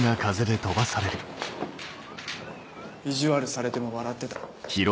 意地悪されても笑ってた。